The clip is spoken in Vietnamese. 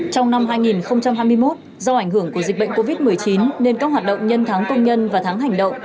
trong năm hai nghìn hai mươi một do ảnh hưởng của dịch bệnh covid một mươi chín nên các hoạt động nhân tháng công nhân và tháng hành động